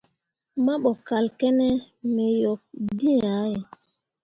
Mahbo kal kǝne me yok dǝ̃ǝ̃ yah ye.